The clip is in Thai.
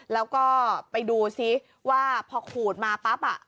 แล้วก็ไปดูซิว่าพอขูดมาปั๊บ